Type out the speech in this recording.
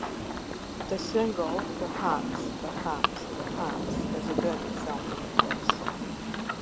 The single "Perhaps, Perhaps, Perhaps," is a good example of this.